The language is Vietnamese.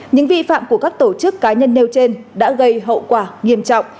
những vi phạm của các tổ chức cá nhân nêu trên đã gây hậu quả nghiêm trọng